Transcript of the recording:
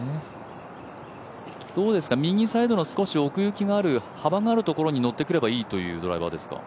どうですか、右サイドの少し奥行きのある幅のあるところにのってくればいいというドライバーですか？